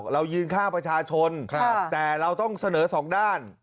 เรายืนข้างประชาชนแต่เราต้องเสนอสองด้าน